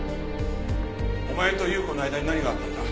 お前と有雨子の間に何があったんだ？